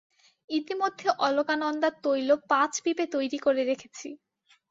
ইতিমধ্যে অলকানন্দা তৈল পাঁচ পিপে তৈরি করে রেখেছি।